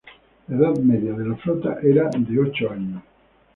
La edad media de la flota era de ocho años.